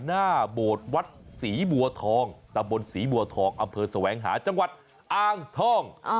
หน้าโบสถ์วัดศรีบัวทองตำบลศรีบัวทองอำเภอแสวงหาจังหวัดอ้างทอง